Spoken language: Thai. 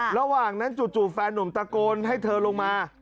ระหว่างนั้นจู่แฟนหนุ่มตะโกนให้เธอลงมา